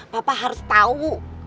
papa harus tau